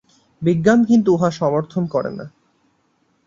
বিজ্ঞান কিন্তু উহা সমর্থন করে না।